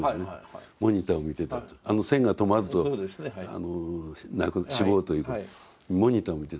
あの線が止まると死亡ということでモニターを見てたと。